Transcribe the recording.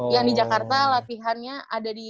yang di jakarta latihannya ada di